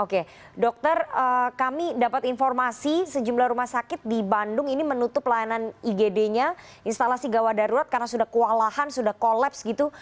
oke dokter kami dapat informasi sejumlah rumah sakit di bandung ini menutup layanan igd nya instalasi gawat darurat karena sudah kewalahan sudah kolaps gitu